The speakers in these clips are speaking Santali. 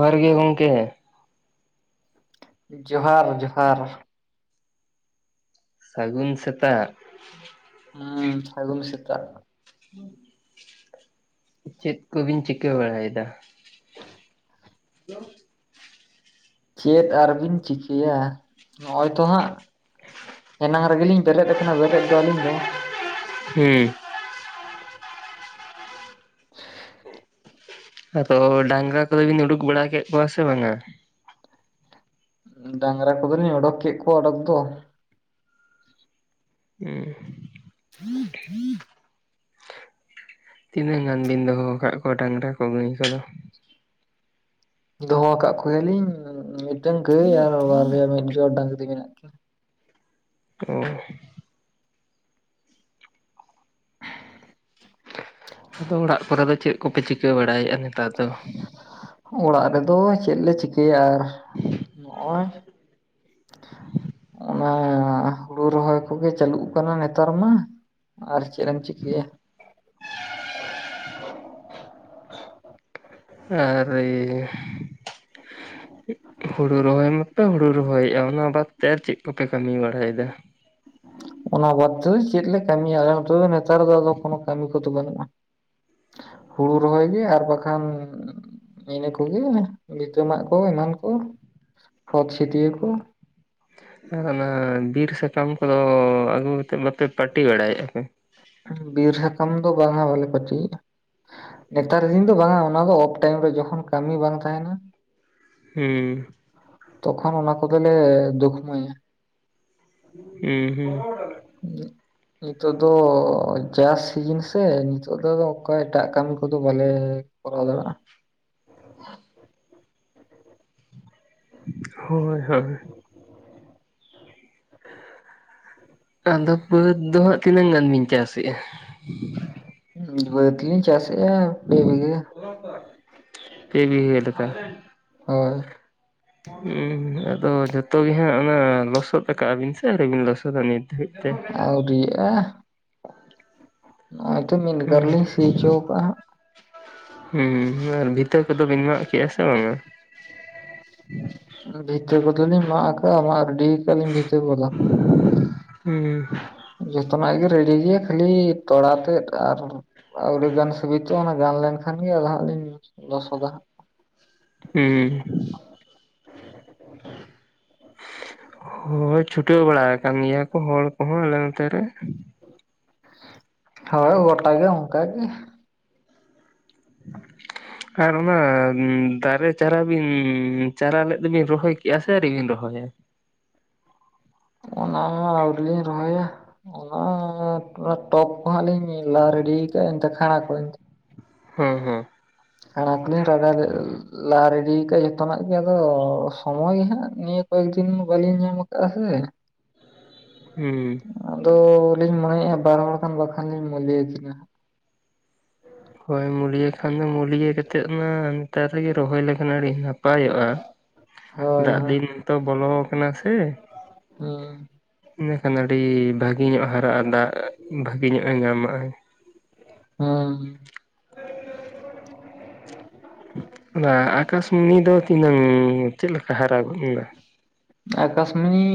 ᱡᱚᱦᱟᱨ ᱜᱮ ᱜᱚᱢᱠᱮ ᱡᱚᱦᱟᱨ ᱡᱚᱦᱟᱨ ᱥᱟᱹᱜᱩᱱ ᱥᱮᱛᱟᱜ ᱦᱩᱸ ᱥᱟᱜᱩᱱ ᱥᱮᱛᱟᱜ [unintelligible] ᱪᱮᱫ ᱠᱚᱵᱤᱱ ᱪᱤᱠᱟᱹ ᱵᱟᱲᱟᱭᱫᱟ ᱦᱮᱞᱳ [inaudible] ᱪᱮᱫ ᱟᱨᱵᱤᱱ ᱪᱤᱠᱟᱹᱭᱟ ᱱᱚᱜᱼᱚᱭ ᱛᱚ ᱦᱟᱸᱜ ᱮᱱᱟᱝ ᱨᱮᱜᱮᱞᱤᱧ ᱵᱮᱨᱮᱫ ᱟᱠᱟᱱᱟ ᱵᱮᱨᱮᱫ ᱫᱚ ᱟᱹᱞᱤᱧ ᱫᱚ ᱦᱩᱸ [unintelligible] ᱟᱫᱚ ᱰᱟᱝᱨᱟ ᱠᱚᱫᱚ ᱵᱤᱱ ᱩᱰᱩᱠ ᱵᱟᱲᱟ ᱠᱮᱫ ᱠᱚᱣᱟ ᱥᱮ ᱵᱟᱝ-ᱟ ᱰᱟᱝᱨᱟ ᱠᱚᱫᱚᱞᱤᱧ ᱚᱰᱚᱠ ᱠᱮᱫ ᱠᱚᱣᱟ ᱚᱰᱚᱠ ᱫᱚ ᱦᱩᱸ [inaudible] ᱛᱤᱱᱟᱹᱜ ᱜᱟᱱ ᱵᱤᱱ ᱫᱚᱦᱚ ᱟᱠᱟᱫ ᱠᱚᱣᱟ ᱰᱟᱝᱨᱟ ᱠᱚ ᱜᱟᱹᱭ ᱠᱚᱫᱚ ᱫᱚᱦᱚ ᱟᱠᱟᱫ ᱠᱚᱜᱮᱭᱟᱞᱤᱧ ᱢᱤᱫᱴᱟᱝ ᱜᱟᱹᱭ ᱟᱨ ᱢᱤᱫ ᱡᱚᱲ ᱰᱟᱝᱨᱤ ᱢᱮᱱᱟᱜ ᱠᱤᱱᱟ ᱚ ᱟᱫᱚ ᱚᱲᱟᱜ ᱠᱚᱨᱮ ᱫᱚ ᱪᱮᱫ ᱠᱚᱯᱮ ᱪᱤᱠᱟᱹ ᱵᱟᱲᱟᱭᱮᱫᱼᱟ ᱱᱮᱛᱟᱨ ᱫᱚ ᱚᱲᱟᱜ ᱨᱮᱫᱚ ᱪᱮᱫ ᱞᱮ ᱪᱤᱠᱟᱹᱭᱟ ᱟᱨ ᱱᱚᱜᱼᱚᱭ [inaudible] ᱚᱱᱟ ᱦᱩᱲᱩ ᱨᱚᱦᱚᱭ ᱠᱚᱜᱮ ᱪᱟᱹᱞᱩᱜ ᱠᱟᱱᱟ ᱱᱮᱛᱟᱨ ᱢᱟ ᱟᱨ ᱪᱮᱫ ᱮᱢ ᱪᱤᱠᱟᱹᱭᱟ ᱟᱨ ᱤᱭᱟᱹ ᱦᱩᱲᱩ ᱨᱚᱦᱚᱭ ᱢᱟᱯᱮ ᱦᱩᱲᱩ ᱨᱚᱦᱚᱭᱮᱫᱼᱟ ᱚᱱᱟ ᱵᱟᱫᱛᱮ ᱟᱨ ᱪᱮᱫ ᱠᱚᱯᱮ ᱠᱟᱹᱢᱤ ᱵᱟᱲᱟᱭᱮᱫᱟ ᱚᱱᱟ ᱵᱟᱫᱽ ᱛᱮᱫᱚ ᱪᱮᱫ ᱞᱮ ᱠᱟᱹᱢᱤᱭᱟ ᱟᱞᱮ ᱫᱚ ᱱᱮᱛᱟᱨ ᱫᱚ ᱟᱫᱚ ᱠᱳᱱᱳ ᱠᱟᱹᱢᱤ ᱠᱚᱫᱚ ᱵᱟᱹᱱᱩᱜᱼᱟ [unintelligible] ᱦᱩᱲᱩ ᱨᱚᱦᱚᱭ ᱜᱮ ᱟᱨ ᱵᱟᱠᱷᱟᱱ ᱤᱱᱟᱹ ᱠᱚᱜᱮ ᱱᱤᱛᱟᱹᱚᱢᱟᱜ ᱠᱚ ᱮᱢᱟᱱ ᱠᱚ ᱠᱷᱚᱛ ᱪᱷᱤᱴᱤᱭᱟᱹ ᱠᱚ ᱟᱨ ᱚᱱᱟ ᱵᱤᱨ ᱥᱟᱠᱟᱢ ᱠᱚᱫᱚ ᱟᱹᱜᱩ ᱠᱟᱛᱮᱫ ᱵᱟᱯᱮ ᱯᱟᱹᱴᱤ ᱵᱟᱲᱟᱭᱮᱫᱼᱟ ᱯᱮ ᱵᱤᱨ ᱥᱟᱠᱟᱢ ᱫᱚ ᱵᱟᱝᱼᱟ ᱵᱟᱞᱮ ᱯᱟᱴᱤᱭᱮᱜᱼᱟ ᱱᱮᱛᱟᱨ ᱫᱤᱱ ᱫᱚ ᱵᱟᱝᱼᱟ ᱚᱱᱟ ᱫᱚ ᱚᱯᱷ ᱴᱟᱭᱤᱢ ᱨᱮ ᱡᱚᱠᱷᱚᱱ ᱠᱟᱹᱢᱤ ᱵᱟᱝ ᱛᱟᱦᱮᱸᱱᱟ ᱦᱩᱸ ᱛᱚᱠᱷᱚᱱ ᱚᱱᱟ ᱠᱚᱫᱚᱞᱮ ᱫᱩᱠᱷᱢᱟᱹᱭᱟ ᱦᱮᱸ ᱦᱮᱸ ᱱᱤᱛᱚᱜ ᱫᱚ ᱚ ᱪᱟᱥ ᱥᱤᱡᱤᱱ ᱥᱮ ᱱᱤᱛᱚᱜ ᱫᱚ ᱟᱫᱚ ᱮᱴᱟᱜ ᱠᱟᱹᱢᱤ ᱠᱚᱫᱚ ᱵᱟᱞᱮ ᱠᱚᱨᱟᱣ ᱫᱟᱲᱮᱭᱟᱜᱼᱟ [unintelligible] ᱦᱳᱭ ᱦᱳᱭ ᱟᱫᱚ ᱵᱟᱹᱫᱽ ᱫᱚ ᱦᱟᱸᱜ ᱛᱤᱱᱟᱹᱜ ᱜᱟᱱ ᱵᱤᱱ ᱪᱟᱥ ᱮᱫᱼᱟ? ᱵᱟᱹᱫ ᱞᱤᱧ ᱪᱟᱥ ᱮᱫᱟ ᱯᱮ ᱵᱤᱜᱷᱟᱹ ᱯᱮ ᱵᱤᱜᱷᱟᱹ ᱞᱮᱠᱟ ᱦᱳᱭ ᱩᱸ ᱟᱫᱚ ᱡᱚᱛᱚ ᱜᱮ ᱦᱟᱸᱜ ᱚᱱᱟ ᱞᱚᱥᱚᱫ ᱠᱟᱜᱼᱟ ᱵᱤᱱ ᱥᱮ ᱟᱣᱨᱤ ᱵᱤᱱ ᱞᱚᱥᱚᱫᱟ ᱱᱤᱛ ᱫᱷᱟᱹᱵᱤᱡ ᱛᱮ? ᱟᱣᱨᱤᱭᱟᱜᱼᱟ ᱱᱚᱜ-ᱚᱭ ᱛᱚ ᱢᱤᱫ ᱜᱟᱨ ᱦᱩᱸ ᱞᱤᱧ ᱥᱤ ᱦᱚᱪᱚ ᱠᱟᱜᱼᱟ ᱦᱟᱸᱜ ᱦᱩᱸ ᱟᱨ ᱵᱷᱤᱛᱟᱹ ᱠᱚᱫᱚ ᱵᱤᱱ ᱢᱟᱜ ᱠᱮᱜᱼᱟ ᱥᱮ ᱵᱟᱝᱼᱟ [inaudible] ᱵᱷᱤᱛᱟᱹ ᱠᱚᱫᱚ ᱞᱤᱧ ᱢᱟᱜ ᱠᱟᱜᱼᱟ ᱢᱟᱜ ᱨᱤᱰᱤ ᱠᱟᱜᱼᱟ ᱞᱤᱧ ᱵᱷᱤᱛᱟᱹ ᱠᱚᱫᱚ ᱦᱮᱸ ᱡᱚᱛᱚᱱᱟᱜ ᱜᱮ ᱨᱮᱰᱤ ᱜᱮᱭᱟ ᱠᱷᱟᱹᱞᱤ ᱛᱚᱲᱟ ᱛᱮᱫ ᱟᱨ ᱟᱹᱣᱨᱤ ᱜᱟᱱ ᱥᱩᱵᱤᱛᱜᱚᱼᱚᱱᱟ ᱜᱟᱱ ᱞᱮᱱᱠᱷᱟᱱ ᱜᱮ ᱟᱫᱚ ᱦᱟᱜ ᱞᱤᱧ ᱞᱚᱥᱚᱫᱟ ᱦᱟᱸᱜ ᱦᱩᱸ ᱦᱳᱭ ᱪᱷᱩᱴᱟᱹᱣ ᱵᱟᱲᱟ ᱠᱟᱱ ᱜᱮᱭᱟ ᱠᱚ ᱦᱚᱲ ᱠᱚᱦᱚᱸ ᱟᱞᱮ ᱱᱚᱛᱮ ᱨᱮ ᱦᱚᱭ ᱜᱚᱴᱟᱜ ᱜᱮ ᱚᱱᱠᱟ ᱜᱮ [inaudible] ᱟᱨ ᱚᱱᱟ ᱫᱟᱨᱮ ᱪᱟᱨᱟ ᱵᱤᱱ ᱪᱟᱨᱟ ᱞᱮᱫ ᱫᱚᱵᱤᱱ ᱨᱚᱦᱚᱭ ᱠᱮᱜᱼᱟ ᱥᱮ ᱟᱹᱣᱨᱤ ᱵᱤᱱ ᱨᱚᱦᱚᱭᱟ? ᱚᱱᱟ ᱢᱟ ᱟᱹᱣᱨᱤ ᱞᱤᱧ ᱨᱚᱦᱚᱭᱟ ᱚᱱᱟ ᱴᱚᱵ ᱠᱚᱦᱟᱸ ᱞᱤᱧ ᱞᱟ ᱨᱮᱰᱤ ᱠᱟᱜᱼᱟ ᱮᱱᱛᱮ ᱠᱷᱟᱸᱲᱟ ᱠᱷᱚᱸᱲᱮ ᱠᱚ ᱦᱮᱸ ᱦᱮᱸ [unintelligible] ᱞᱟ ᱨᱮᱰᱤ ᱠᱟᱫ ᱡᱚᱛᱚᱱᱟᱜ ᱜᱮ ᱟᱫᱚ ᱥᱚᱢᱚᱭ ᱜᱮ ᱦᱟᱜ ᱱᱤᱭᱟᱹ ᱠᱚᱭᱮᱠ ᱫᱤᱱ ᱵᱟᱹᱞᱤᱧ ᱧᱟᱢ ᱠᱟᱜ ᱟ ᱥᱮ ᱦᱩᱸ ᱟᱫᱚᱞᱤᱧ ᱢᱚᱱᱮᱭᱮᱫᱼᱟ ᱵᱟᱨ ᱦᱚᱲ ᱠᱟᱱ ᱵᱟᱠᱷᱟᱱ ᱞᱤᱧ ᱢᱩᱞᱤᱭᱟᱹ ᱠᱤᱱᱟ ᱦᱳᱭ ᱢᱩᱞᱭᱟᱹ ᱠᱷᱟᱱ ᱫᱚ ᱢᱩᱞᱭᱟᱹ ᱠᱟᱛᱮᱫ ᱱᱟ ᱱᱮᱛᱟᱨ ᱨᱮᱜᱮ ᱨᱚᱦᱚᱭ ᱞᱮᱠᱷᱟᱱ ᱟᱹᱰᱤ ᱱᱟᱯᱟᱭᱚᱜᱼᱟ ᱦᱳᱭ ᱫᱟᱜ ᱦᱳᱭ ᱫᱤᱱ ᱛᱚ ᱵᱚᱞᱚ ᱟᱠᱟᱱᱟ ᱥᱮ ᱦᱩ ᱤᱱᱟᱹᱠᱷᱟᱱ ᱟᱹᱰᱤ ᱵᱷᱟᱜᱮ ᱧᱚᱜ ᱦᱟᱨᱟᱜᱼᱟ ᱫᱟᱜ ᱵᱷᱟᱜᱮ ᱧᱚᱜ ᱮ ᱧᱟᱢᱟᱜ ᱟᱭ ᱦᱮᱸ [unintelligible] ᱚᱱᱟ ᱟᱠᱟᱥᱢᱩᱱᱤ ᱫᱚ ᱛᱤᱱᱟᱹᱝ ᱪᱮᱫᱞᱮᱠᱟ ᱦᱟᱨᱟ ᱜᱚᱫ ᱮᱱᱟ ᱟᱠᱟᱥᱢᱩᱱᱤ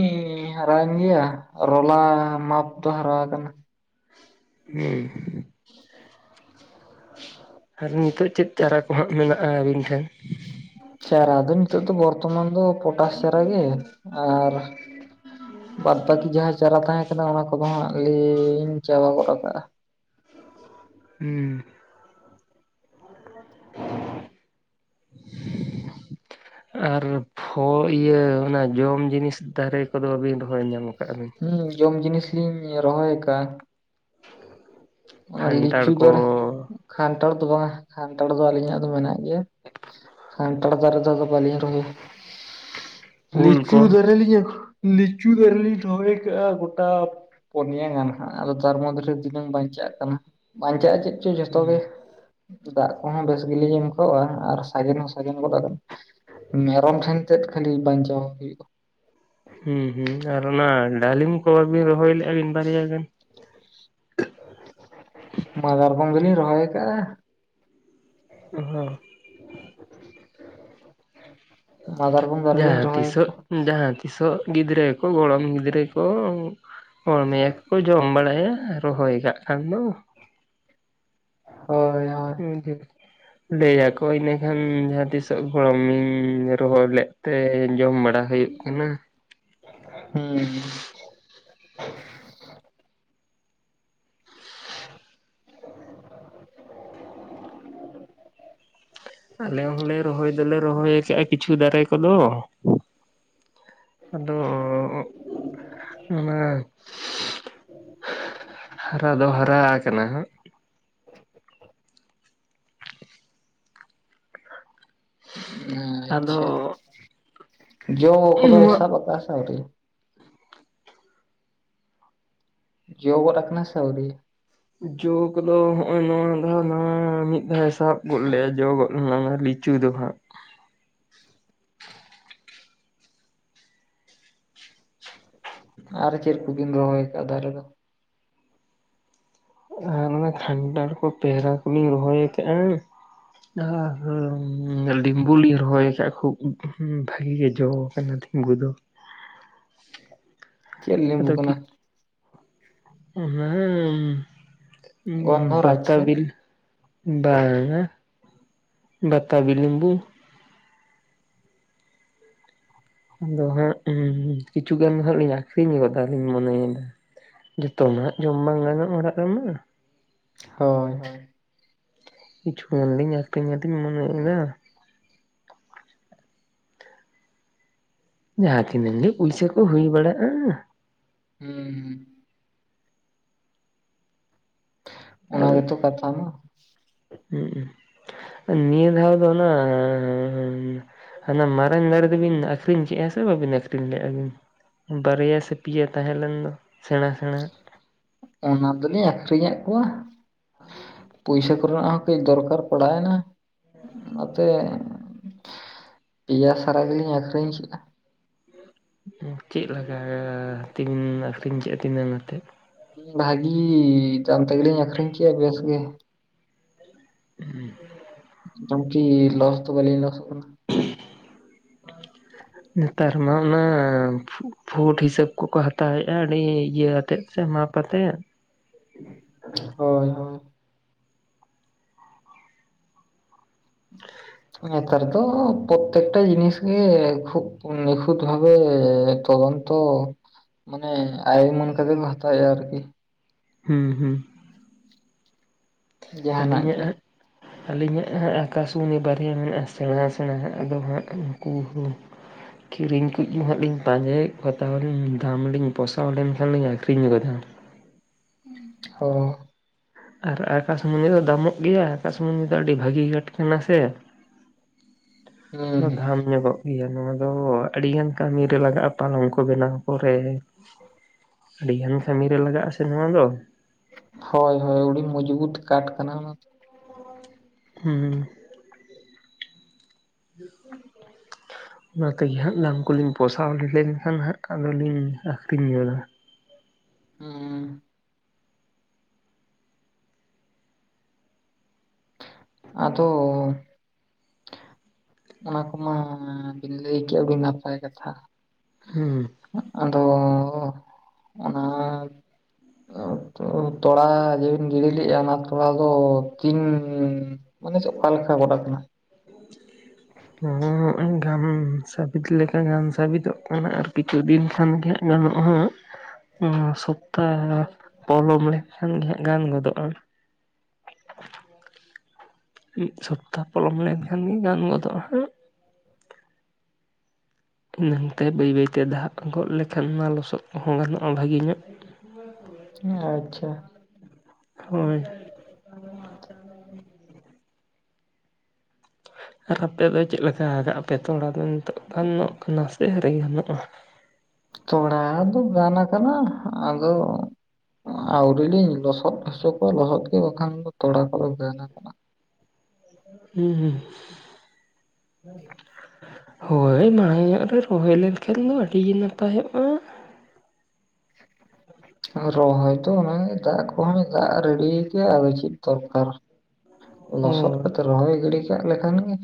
ᱦᱟᱨᱟᱭᱮᱱ ᱜᱮᱭᱟ ᱨᱚᱞᱟ ᱢᱟᱯ ᱫᱚ ᱦᱟᱨᱟ ᱠᱟᱱᱟ ᱦᱮᱸ ᱟᱨ ᱱᱤᱛᱚᱜ ᱪᱮᱫ ᱪᱟᱨᱟ ᱠᱚ ᱦᱟᱸᱜ ᱢᱮᱱᱟᱜᱼᱟ ᱟᱹᱵᱤᱱ ᱴᱷᱮᱱ ᱪᱟᱨᱟᱫᱚ ᱱᱤᱛᱚᱜ ᱫᱚ ᱵᱚᱨᱛᱚᱢᱟᱱ ᱫᱚ ᱯᱚᱴᱟᱥ ᱪᱟᱨᱟ ᱜᱮ ᱟᱨ ᱵᱟᱫᱽ ᱵᱟᱹᱠᱤ ᱡᱟᱦᱟᱸ ᱪᱟᱨᱟ ᱛᱟᱦᱮᱸ ᱠᱟᱱᱟ ᱚᱱᱟ ᱠᱚᱫᱚ ᱦᱟᱜ ᱞᱤᱧ ᱪᱟᱵᱟ ᱜᱚᱫ ᱠᱟᱜᱼᱟ ᱦᱮᱸ ᱟᱨ ᱯᱷᱚ ᱤᱭᱟᱹ ᱚᱱᱟ ᱡᱚᱢ ᱡᱤᱱᱤᱥ ᱫᱟᱨᱮ ᱠᱚᱫᱚ ᱵᱤᱱ ᱨᱚᱦᱚᱭ ᱧᱟᱢ ᱟᱠᱟᱫᱼᱟ ᱵᱤᱱ ᱦᱩ ᱡᱚᱢ ᱡᱤᱱᱤᱥᱞᱤᱧ ᱨᱚᱦᱚᱭ ᱠᱟᱜ ᱚᱱᱟ ᱠᱷᱟᱱᱴᱟᱲ ᱞᱤᱪᱩ ᱠᱚ ᱫᱟᱨᱮ ᱠᱷᱟᱱᱴᱷᱟᱲ ᱫᱚ ᱵᱟᱝ ᱟ ᱠᱷᱟᱱᱴᱷᱟᱲ ᱫᱚ ᱟᱹᱞᱤᱧᱟᱜ ᱫᱚ ᱢᱮᱱᱟᱜ ᱜᱮᱭᱟ ᱠᱷᱟᱱᱴᱷᱟᱲ ᱫᱟᱨᱮ ᱫᱚ ᱵᱟᱞᱤᱧ ᱨᱚᱦᱚᱭ ᱩᱞ ᱞᱤᱪᱩ ᱠᱚ ᱫᱟᱹᱨᱮ ᱞᱤᱧ ᱞᱤᱪᱩ ᱫᱟᱹᱨᱮ ᱞᱤᱧ ᱨᱚᱦᱚᱭ ᱜᱳᱴᱟ ᱯᱚᱱᱭᱟ ᱜᱟᱱᱼᱟ ᱟᱫᱚ ᱛᱟᱨ ᱢᱚᱫᱽᱫᱷᱮ ᱨᱮ ᱛᱤᱱᱟᱹᱢ ᱵᱟᱧᱪᱟᱜ ᱵᱟᱧᱪᱟᱜᱼᱟ ᱪᱮᱫ ᱪᱚ ᱡᱚᱛᱚ ᱜᱮ ᱦᱩᱸ ᱫᱟᱜ ᱠᱚᱦᱚᱸ ᱵᱮᱥ ᱜᱮᱞᱤᱧ ᱮᱢ ᱠᱟᱜ ᱟ ᱟᱨ ᱥᱟᱜᱮᱱ ᱦᱚᱸ ᱥᱡᱮᱱ ᱜᱚᱫ ᱠᱟᱱᱟ ᱢᱮᱨᱚᱢ ᱴᱷᱮᱱ ᱛᱮᱫ ᱠᱷᱟᱹᱞᱤ ᱵᱟᱧᱪᱟᱣ ᱦᱩᱭᱩᱜᱼᱟ ᱦᱩᱸ ᱦᱩᱸ ᱟᱨ ᱚᱱᱟ ᱰᱟᱞᱤᱢ ᱠᱚ ᱵᱟᱵᱤᱱ ᱨᱚᱦᱚᱭ ᱞᱮᱫᱼᱟ ᱢᱤᱱ ᱵᱟᱨᱭᱟ ᱜᱟᱱ ᱢᱟᱫᱟᱨᱜᱚᱢ ᱫᱚᱞᱤᱧ ᱨᱚᱦᱚᱭ ᱠᱟᱜᱼᱟ ᱦᱚ ᱢᱟᱫᱟᱨᱜᱚᱢ ᱫᱟᱨᱮ ᱞᱤᱧ ᱡᱟᱦᱟᱸ ᱨᱚᱦᱚᱭ ᱛᱤᱥᱚᱜ ᱠᱟᱜᱼᱟ ᱡᱟᱦᱟᱸ ᱛᱤᱥᱚᱜ ᱜᱤᱫᱽᱨᱟᱹ ᱠᱚ ᱜᱚᱲᱚᱢ ᱜᱤᱫᱽᱨᱟᱹ ᱠᱚ ᱚ ᱱᱤᱭᱟᱹ ᱠᱩ ᱡᱚᱢ ᱵᱟᱲᱟᱭᱟ ᱨᱚᱦᱚᱭ ᱠᱟᱜ ᱠᱷᱟᱱ ᱫᱚ ᱾ ᱦᱳᱭ ᱦᱚ [inaudible] ᱞᱟᱹᱭ ᱟᱠᱚ ᱤᱱᱟᱹ ᱠᱷᱟᱱ ᱡᱟᱦᱟᱸ ᱛᱤᱥᱚᱜ ᱜᱚᱲᱚᱢᱤᱧ ᱨᱚᱦᱚᱭ ᱞᱮᱫ ᱛᱮ ᱡᱚᱢ ᱵᱟᱲᱟ ᱦᱩᱭᱩᱜ ᱮᱢᱟ ᱦᱩᱸᱢ ᱾ ᱟᱞᱮ ᱦᱚᱸᱞᱮ ᱨᱚᱦᱚᱭ ᱫᱚᱞᱮ ᱨᱚᱦᱚᱭ ᱠᱟᱜᱼᱟ ᱠᱤᱪᱷᱩ ᱫᱟᱨᱮ ᱠᱚᱫᱚ ᱾ ᱟᱫᱚ ᱚᱻ ᱚᱱᱟ ᱦᱟᱨᱟ ᱫᱚ ᱦᱟᱨᱟ ᱠᱟᱱᱟ ᱦᱟᱸᱜ ᱟᱫᱚ ᱟᱪᱪᱷᱟ ᱡᱚ ᱠᱚᱫᱚ ᱱᱚᱣᱟ ᱥᱟᱵ ᱟᱠᱟᱫ ᱟ ᱥᱮ ᱟᱹᱣᱨᱤ ᱡᱚ ᱜᱚᱫ ᱟᱠᱟᱱᱟ ᱥᱮ ᱟᱹᱭᱨᱤ ᱡᱚ ᱠᱚᱫᱚ ᱦᱚᱜᱼᱚᱭ ᱱᱚᱣᱟ ᱫᱷᱟᱣ ᱢᱤᱫ ᱫᱷᱟᱣ ᱥᱟᱵ ᱜᱚᱫ ᱞᱮᱭᱟ ᱡᱚ ᱜᱚᱫ ᱞᱮᱱᱟ ᱞᱤ ᱪᱩ ᱫᱚᱦᱟᱜ ᱟᱨ ᱪᱮᱫ ᱠᱩᱵᱤᱱ ᱨᱚᱦᱚᱭ ᱠᱟᱜᱼᱟ ᱫᱟᱨᱮ ᱫᱚ ᱟᱨ ᱚᱱᱟ ᱠᱷᱟᱱᱴᱷᱟᱲ ᱠᱚ ᱯᱮᱦᱨᱟ ᱠᱚᱞᱤᱧ ᱨᱚᱦᱚᱭ ᱟᱠᱟᱫᱼᱟ ᱟᱨ ᱞᱤᱢᱵᱩᱞ ᱞᱤᱧ ᱨᱚᱦᱚᱭ ᱟᱠᱟᱫ ᱠᱷᱩᱵ ᱵᱷᱟᱜᱤ ᱜᱮ ᱡᱚ ᱟᱠᱟᱱᱟ ᱛᱤᱧ ᱜᱚ ᱫᱚ ᱪᱮᱜ ᱞᱮᱵᱩ ᱠᱟᱱᱟ? [unintelligible] ᱜᱚᱱᱫᱷᱚᱨᱟᱡᱽ ᱵᱟᱛᱟ ᱥᱮ ᱵᱤᱞᱤ ᱵᱟᱝᱼᱟ ᱵᱟᱛᱟᱵᱤ ᱞᱤᱢᱵᱩ ᱾ ᱟᱫᱚ ᱦᱟᱸᱜ ᱩᱢ ᱠᱤᱪᱷᱩ ᱜᱟᱱ ᱫᱚ ᱦᱟᱸᱜ ᱞᱤᱧ ᱟᱠᱷᱨᱤᱧ ᱜᱚᱫᱟᱞᱤᱧ ᱢᱚᱱᱮᱭᱫᱟ ᱾ ᱡᱚᱛᱚ ᱱᱟ ᱦᱟᱸᱜ ᱡᱚᱢ ᱵᱟᱝ ᱜᱟᱱᱚᱜ-ᱟ ᱚᱲᱟᱜ ᱨᱮᱢᱟ ᱦᱳᱭ ᱾ ᱠᱤᱪᱷᱩᱴᱟ ᱜᱟᱱ ᱞᱤᱧ ᱟᱹᱠᱷᱨᱟᱤᱧ ᱟᱫᱤᱧ ᱢᱚᱱᱮᱭ ᱮᱫᱟ ᱾ ᱡᱟᱦᱟᱸ ᱛᱤᱱᱟᱝ ᱜᱮ ᱯᱩᱭᱥᱟᱹ ᱠᱚ ᱦᱩᱭ ᱵᱟᱲᱟᱜᱼᱟ ᱾ ᱩᱸᱢᱻ ᱚᱱᱟ ᱜᱮᱛᱚ ᱠᱟᱛᱷᱟ ᱢᱟ ᱩᱸ ᱱᱤᱭᱟᱹ [unintelligible] ᱫᱚ ᱚᱱᱟᱻ ᱦᱟᱱᱟ ᱢᱟᱨᱟᱝ ᱫᱟᱨᱮ ᱫᱚᱵᱤᱱ ᱟᱹᱠᱷᱨᱤᱧ ᱠᱮᱡᱼᱟ ᱥᱮ ᱵᱟᱹᱵᱤᱱ ᱟᱹᱷᱨᱤᱧ ᱞᱮᱫᱼᱟ ᱵᱤᱱ? ᱵᱟᱨᱭᱟ ᱥᱮ ᱯᱤᱭᱟᱹ ᱛᱟᱦᱮᱸ ᱞᱮᱱ ᱫᱚ ᱥᱮᱬᱟ ᱥᱮᱬᱟ ᱚᱱᱟ ᱫᱚᱞᱤᱧ ᱟᱠᱷᱨᱤᱧ ᱟᱜ ᱠᱚᱣᱟ ᱾ ᱯᱚᱭᱥᱟ ᱠᱚᱨᱮᱱᱟᱜ ᱦᱚᱸ ᱠᱟᱹᱡ ᱫᱚᱨᱠᱟᱨ ᱯᱟᱲᱟᱣ ᱮᱱᱟ ᱱᱚᱛᱮ ᱯᱮᱭᱟ ᱥᱟᱨᱟ ᱜᱮᱞᱤᱧ ᱟᱠᱷᱨᱤᱧ ᱪᱮᱜᱼᱟ ᱾ ᱪᱮᱜ ᱞᱟᱜᱟ ᱛᱤᱢᱤᱱ ᱟᱠᱷᱨᱤᱧ ᱠᱮ ᱛᱤᱱᱟᱹᱜ ᱟᱛᱮ? ᱵᱷᱟᱜᱤ ᱛᱟᱢ ᱛᱮᱜᱮ ᱞᱤᱧ ᱟᱠᱷᱨᱤᱧ ᱠᱮ ᱟ ᱵᱮᱥ ᱜᱮ ᱾ [inaudible] [unintelligible] ᱞᱚᱥ ᱫᱚ ᱵᱟᱞᱤᱧ ᱞᱚᱥᱚᱜ ᱠᱟᱱᱟ ᱾ [inaudible] ᱱᱮᱛᱟᱨ ᱢᱟ ᱚᱱᱟ ᱯᱷᱩ-ᱯᱷᱩᱴ ᱦᱤᱥᱟᱹᱵ ᱠᱚᱠᱚ ᱦᱟᱛᱟᱣ ᱮᱜᱼᱟ ᱟᱹᱰᱤ ᱤᱭᱟᱹ ᱟᱛᱮᱫ ᱾ ᱥᱮ ᱢᱟᱯ ᱟᱛᱮ ᱾ ᱦᱳᱭ ᱦᱳ [inaudible] ᱧᱮᱛᱟᱨ ᱫᱚ ᱯᱨᱚᱛᱮᱠᱴᱟ ᱡᱤᱱᱤᱥ ᱜᱮ ᱠᱷᱩᱵ ᱱᱤᱠᱷᱩᱸᱛ ᱵᱷᱟᱵᱷᱮ ᱛᱚᱫᱚᱱᱛᱚ ᱢᱟᱱᱮ ᱟᱭ ᱩᱢᱟᱱ ᱠᱟᱛᱮ ᱵᱚ ᱦᱟᱛᱟᱭᱮᱜ-ᱟ ᱟᱨᱠᱤ ᱾ ᱦᱩᱸ ᱦᱩᱸ ᱾ ᱡᱟᱦᱟᱱᱟᱜ ᱟᱹᱞᱤᱧ ᱜᱮ ᱟ-ᱟᱜ ᱟᱹᱞᱤᱧᱟᱜ ᱦᱟᱸᱜ ᱟᱠᱟᱥᱢᱩᱱᱤ ᱵᱟᱨᱭᱟ ᱢᱮᱱᱟᱜᱼᱟ ᱥᱮᱬᱟ-ᱥᱮᱬᱟ ᱦᱟᱸᱜ ᱟᱫᱚ ᱦᱟᱸᱜ ᱩᱱᱠᱩ ᱦᱚᱸ ᱠᱤᱨᱤᱧ ᱠᱩᱡ ᱜᱤ ᱦᱟᱸᱜ ᱞᱤᱧ ᱯᱟᱸᱡᱟᱭᱮᱜ ᱠᱚ ᱛᱟᱦᱚᱞᱮᱞᱤᱧ ᱫᱟᱢ ᱞᱤᱧ ᱯᱚᱥᱟᱣ ᱞᱮᱱᱠᱷᱟᱱ ᱞᱤᱧ ᱟᱹᱠᱷᱨᱤᱧ ᱜᱚᱫᱟ ᱾ ᱦᱚᱸ ᱟᱨ ᱟᱠᱟᱥᱢᱩᱱᱤ ᱫᱚ ᱫᱟᱢᱚᱜ ᱜᱮᱭᱟ ᱟᱠᱟᱥᱢᱩᱱᱤ ᱫᱚ ᱟᱹᱰᱤ ᱵᱷᱟᱹᱜᱤ ᱠᱟᱸᱴ ᱠᱟᱱᱟ ᱥᱮ ᱦᱩᱸ ᱦᱩᱸ ᱫᱷᱟᱢ ᱧᱚᱜᱚᱜ ᱤᱭᱟᱹ ᱱᱚᱣᱟ ᱫᱚ ᱟᱹᱰᱤ ᱜᱟᱱ ᱠᱟᱹᱢᱤ ᱨᱮ ᱞᱟᱜᱟᱜᱼᱟ ᱯᱟᱞᱚᱝ ᱠᱚ ᱵᱮᱱᱟᱣ ᱠᱚᱨᱮ ᱟᱹᱰᱤ ᱜᱟᱱ ᱠᱟᱹᱢᱤᱨ ᱨᱮ ᱞᱟᱜᱟᱜᱼᱟ ᱥᱮ ᱱᱚᱣᱟ ᱫᱚ ᱦᱳᱭ ᱦᱳᱭ ᱟᱹᱰᱤ ᱢᱩᱡᱽᱵᱩᱛ ᱠᱟᱴ ᱠᱟᱱᱟ ᱚᱱᱟ [inaudible] ᱦᱩᱸ ᱚᱱᱟ ᱛᱮᱜᱮ ᱦᱟᱸᱜ ᱫᱟᱢ ᱠᱚᱞᱤᱧ ᱯᱚᱥᱟᱣ ᱞᱮᱱᱠᱷᱟᱱ ᱦᱟᱸᱜ ᱟᱫᱚᱞᱤᱧ ᱟᱹᱠᱷᱨᱤᱧ ᱧᱚᱜᱟ ᱩᱸ ᱾ ᱟᱫᱚ ᱚᱱᱟ ᱠᱚᱢᱟ ᱵᱤᱱ ᱞᱟᱹᱭ ᱠᱮᱜ-ᱟ ᱟᱹᱰᱤ ᱱᱟᱯᱟᱭ ᱠᱟᱛᱷᱟ ᱾ ᱦᱩᱸ ᱾ ᱟᱫᱚ ᱚᱱᱟ [unintelligible] ᱛᱚᱲᱟ ᱡᱮ ᱵᱤᱱ ᱜᱤᱲᱤ ᱮᱜᱼᱟ ᱚᱱᱟ ᱛᱚᱲᱟ ᱫᱚ ᱛᱤᱱ ᱢᱟᱱᱮ ᱥᱮ ᱚᱠᱟ ᱞᱮᱠᱟ ᱜᱚᱰᱟ ᱠᱟᱱᱟ? [inaudible] ᱱᱚ ᱚ-ᱤᱧ ᱜᱟᱱ ᱥᱟᱵᱤᱛ ᱞᱮᱠᱟ ᱜᱟᱱ ᱥᱟᱵᱤᱫᱚᱜ ᱠᱟᱱᱟ ᱟᱨ ᱠᱤᱪᱷᱩ ᱫᱤᱱ ᱠᱷᱟᱱ ᱜᱮ ᱜᱟᱱᱚᱜ ᱟ ᱦᱮᱸ ᱥᱚᱯᱛᱟ ᱯᱚᱞᱚᱢ ᱞᱮᱱᱠᱷᱟᱱ ᱜᱮ ᱦᱟᱸᱜ ᱜᱟᱱ ᱜᱚᱫᱚᱜᱼᱟ ᱢᱤᱫ ᱥᱚᱯᱛᱟᱦ ᱯᱚᱞᱚᱢ ᱞᱮᱱᱠᱷᱟᱱ ᱜᱮ ᱜᱟᱱ ᱜᱚᱫᱚᱜᱼᱟ ᱮᱱᱟᱹᱝᱛᱮ ᱵᱟᱹᱭ ᱵᱟᱹᱭᱛᱮ ᱫᱟᱜ ᱜᱚᱫ ᱞᱮᱠᱷᱟᱱ ᱚᱱᱟ ᱞᱚᱥᱚᱫ ᱠᱚᱦᱚᱸ ᱜᱟᱱᱚᱜᱼᱟ ᱵᱷᱟᱹᱜᱮ ᱧᱚᱜ ᱟᱪᱪᱷᱟ ᱦᱳᱭ ᱟᱨ ᱟᱯᱮ ᱫᱚ ᱪᱮᱫ ᱞᱮᱠᱟ ᱠᱟᱜ ᱟ ᱯᱮ ᱛᱚᱲᱟ ᱫᱚ ᱱᱤᱛᱚᱜ ᱜᱟᱱᱚᱜ ᱠᱟᱱᱟ ᱥᱮ ᱟᱹᱨᱤ ᱜᱟᱱᱚᱜᱼᱟ ᱛᱚᱲᱟ ᱫᱚ ᱜᱟᱱ ᱠᱟᱱᱟ ᱟᱫᱚ ᱟᱹᱣᱨᱤᱞᱤᱧ ᱞᱚᱥᱚᱫ ᱦᱚᱪᱚ ᱠᱚᱣᱟ ᱞᱚᱥᱚᱫ ᱜᱮ ᱵᱟᱠᱷᱟᱱ ᱫᱚ ᱛᱚᱲᱟ ᱠᱚᱫᱚ ᱜᱟᱱ ᱠᱟᱱᱟ ᱦᱩᱸ ᱦᱩᱸ ᱦᱳᱭ ᱢᱟᱲᱟᱝ ᱧᱚᱜ ᱨᱮ ᱨᱚᱦᱚᱭ ᱞᱮᱱᱠᱷᱟᱱ ᱫᱚ ᱟᱹᱰᱤᱜᱮ ᱱᱟᱯᱟᱭᱚᱜᱼᱟ ᱨᱚᱦᱚᱭ ᱛᱚ ᱚᱱᱟ ᱮᱴᱟᱜ ᱠᱚᱦᱚᱸ ᱫᱟᱜ ᱨᱮᱰᱤ ᱠᱟᱜ ᱟ ᱟᱫᱚ ᱪᱮᱫ ᱫᱚᱨᱠᱟᱨ ᱞᱚᱥᱚᱫ ᱦᱳᱭ ᱠᱟᱛᱮ ᱨᱚᱦᱚᱭ ᱜᱤᱰᱤ ᱠᱟᱜ ᱞᱮᱠᱷᱟᱱ ᱜᱮ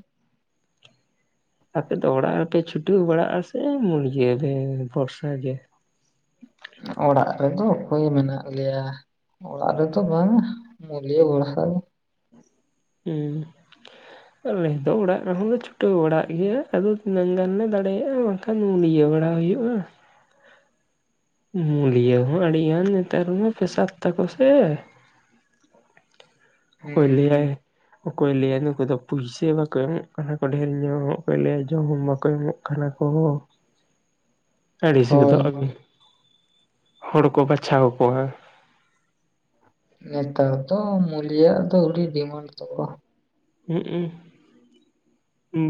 ᱟᱯᱮᱫᱚ ᱚᱲᱟᱜ ᱨᱮᱯᱮ ᱪᱷᱩᱴᱟᱹᱣ ᱵᱟᱲᱟᱜᱼᱟ ᱥᱮ ᱢᱩᱨᱜᱤᱭᱟᱹ ᱮ ᱵᱷᱚᱨᱥᱟ ᱜᱮ ᱚᱲᱟᱜ ᱨᱮᱫᱚ ᱚᱠᱚᱭ ᱢᱮᱱᱟᱜ ᱞᱮᱭᱟ ᱚᱲᱟᱜ ᱨᱮᱫᱚ ᱵᱟᱝᱟ ᱢᱩᱞᱭᱟᱹ [unintelligible] ᱨᱮ ᱦᱩᱸ ᱟᱞᱮ ᱫᱚ ᱚᱲᱟᱜ ᱨᱮᱦᱚᱸ ᱫᱚ ᱪᱷᱩᱴᱟᱹᱣ ᱵᱟᱲᱟᱜ ᱜᱮᱭᱟ ᱟᱫᱚ ᱛᱤᱱᱟᱹᱝ ᱜᱟᱱᱞᱮ ᱫᱟᱲᱮᱭᱟᱜᱼᱟ ᱠᱷᱟᱱ ᱢᱩᱞᱭᱟᱹ ᱵᱟᱲᱟ ᱦᱩᱭᱩᱜᱼᱟ ᱢᱩᱞᱤᱭᱟᱹ ᱦᱚᱸ ᱟᱹᱰᱤᱜᱟᱱ ᱱᱮᱛᱟᱨᱢᱟ ᱯᱮᱥᱟ ᱛᱟᱠᱚ ᱥᱮ ᱚᱠᱚᱭ ᱦᱩᱸ ᱞᱟᱹᱭᱟᱭ ᱚᱠᱚᱭ ᱞᱟᱹᱭᱟ ᱱᱩᱠᱩ ᱫᱚ ᱯᱩᱭᱥᱟᱹ ᱵᱟᱠᱚ ᱮᱢᱚᱜ ᱠᱟᱱᱟ ᱠᱚ ᱰᱷᱮᱨ ᱧᱚᱜ, ᱚᱠᱚᱭ ᱞᱟᱹᱭᱟ ᱡᱚᱢ ᱵᱟᱠᱚ ᱮᱢᱚᱜ ᱠᱟᱱᱟ ᱠᱚ ᱟᱹᱲᱤᱥ ᱦᱳᱭ ᱜᱚᱫᱚᱜ ᱦᱳᱭ ᱟᱹᱵᱤᱱ ᱦᱚᱲ ᱠᱚ ᱵᱟᱪᱷᱟᱣ ᱠᱚᱣᱟ ᱱᱮᱛᱟᱨ ᱫᱚ ᱢᱩᱞᱤᱭᱟᱜ ᱫᱚ ᱟᱹᱰᱤ ᱰᱤᱢᱟᱱᱰ ᱛᱟᱠᱚ ᱦᱩᱸᱜ-ᱩ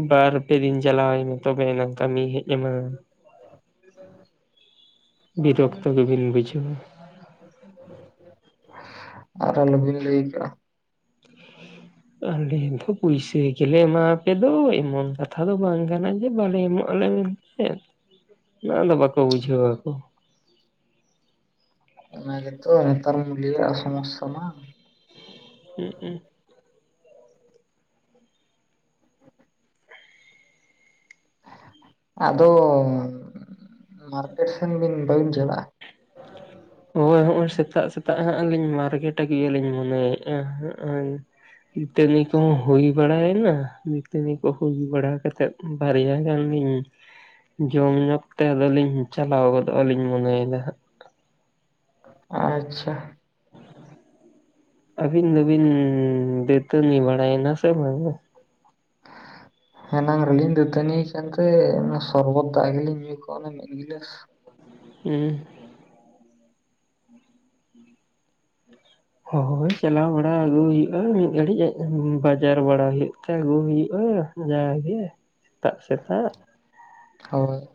ᱵᱟᱨᱯᱮ ᱫᱤᱱ ᱪᱟᱞᱟᱣᱟᱭ ᱢᱮ ᱛᱚᱵᱮᱭᱟᱱᱟᱝ ᱠᱟᱹᱢᱤᱭ ᱦᱮᱡ ᱟᱢᱟ ᱵᱤᱨᱚᱠᱛᱚ ᱜᱮᱵᱤᱱ ᱵᱩᱡᱷᱟᱹᱣᱟ ᱟᱨ ᱟᱞᱚᱵᱤᱱ ᱞᱟᱹᱭ ᱠᱟᱜᱼᱟ ᱟᱞᱮ ᱫᱚ ᱯᱩᱭᱥᱟᱹ ᱜᱮᱞᱮ ᱮᱢᱟᱣᱟᱯᱮ ᱫᱚ ᱮᱢᱚᱱ ᱠᱟᱛᱷᱟ ᱫᱚ ᱵᱟᱝ ᱠᱟᱱᱟ ᱡᱮ ᱵᱟᱞᱮ ᱮᱢᱚᱜ ᱟᱞᱮ ᱦᱮᱸ ᱱᱚᱣᱟ ᱫᱚ ᱵᱟᱠᱚ ᱵᱩᱡᱷᱟᱹᱣᱟᱠᱚ᱾ ᱚᱱᱟ ᱜᱮᱛᱚ ᱱᱮᱛᱟᱨ ᱢᱩᱞᱭᱟᱹ ᱟᱜ ᱥᱚᱢᱚᱥᱥᱟ ᱢᱟ ᱦᱩᱸᱜ-ᱩᱜ [inaudible] ᱟᱫᱚ ᱢᱟᱨᱠᱮᱴ ᱥᱮᱱ ᱵᱤᱱ ᱵᱟᱹᱵᱤᱱ ᱪᱟᱞᱟᱜᱼᱟ ᱦᱳᱭ ᱦᱚᱸᱜᱼᱚᱭ ᱥᱮᱛᱟᱜ ᱥᱮᱛᱟᱜ ᱦᱟᱸᱜ-ᱞᱤᱧ ᱢᱟᱨᱜᱮᱴ ᱟᱹᱜᱮᱭᱟᱞᱤᱧ ᱢᱚᱱᱮᱭᱮᱫᱼᱟ ᱜᱤᱛᱟᱹᱱᱤ ᱠᱚᱦᱚᱸ ᱦᱩᱭ ᱵᱟᱲᱟᱭᱮᱱᱟ ᱜᱤᱛᱟᱹᱱᱤ ᱠᱚ ᱦᱩᱭ ᱵᱟᱲᱟ ᱠᱟᱛᱮᱫ ᱵᱟᱨᱭᱟ ᱜᱟᱱᱞᱤᱧ ᱡᱚᱢ ᱧᱚᱜᱽ ᱛᱮ ᱟᱫᱚᱞᱤᱧ ᱪᱟᱞᱟᱣ ᱜᱚᱫᱚᱜᱼᱟ ᱞᱤᱧ ᱢᱚᱱᱮᱭ ᱫᱟ ᱦᱟᱸᱜ ᱟᱪᱷᱟ ᱟᱵᱤᱱ ᱫᱚᱵᱤᱱ ᱫᱟᱹᱛᱟᱹᱱᱤ ᱵᱟᱲᱟᱭᱱᱟ ᱥᱮ ᱵᱟᱝᱟ ᱮᱱᱟᱝ ᱨᱮᱞᱤᱤᱧ ᱫᱟᱹᱛᱟᱹᱱᱤ ᱠᱟᱱᱛᱮ ᱚᱱᱟ ᱥᱚᱨᱵᱚᱛ ᱫᱟᱜ ᱜᱮᱞᱤᱧ ᱧᱩ ᱠᱚᱣᱱᱟ ᱢᱤᱫ ᱜᱤᱞᱟᱹᱥ ᱦᱩᱸ ᱦᱳᱭ ᱪᱟᱞᱟᱣ ᱵᱟᱲᱟ ᱟᱹᱜᱩ ᱦᱩᱭᱩᱜᱼᱟ ᱢᱤᱫ ᱜᱷᱲᱤᱡ ᱮᱸᱜ ᱵᱟᱡᱟᱨ ᱵᱟᱲᱟ ᱦᱩᱭᱩᱜ ᱛᱮ ᱟᱹᱜᱩ ᱦᱩᱭᱩᱜᱼᱟ ᱡᱟᱜᱮ ᱥᱮᱛᱟᱜ ᱥᱮᱛᱟᱜ ᱦᱳᱭ